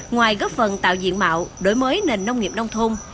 ngoài góp phần tạo diện mạo đổi mới nền nông nghiệp nông thôn